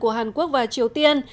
của hàn quốc và triều tiên